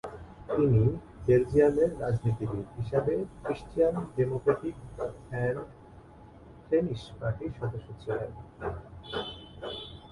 তিনি বেলজিয়ামের রাজনীতিবিদ হিসেবে ক্রিশ্চিয়ান ডেমোক্র্যাটিক এন্ড ফ্লেমিশ পার্টির সদস্য ছিলেন।